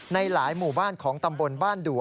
ในหลายหมู่บ้านของตำบลบ้านดัว